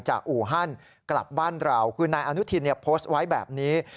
อู่ฮั่นกลับบ้านเราคือนายอนุทินโพสต์ไว้แบบนี้